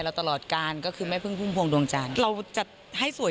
ตลอดการก็คือแม่พึ่งพุ่มพวงดวงจันทร์เราจัดให้สวย